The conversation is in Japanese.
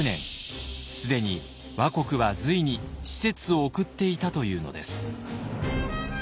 既に倭国は隋に使節を送っていたというのです。